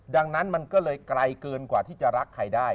ดังนั้นมันก็เลยไกลเกินกว่าที่จะรักใครได้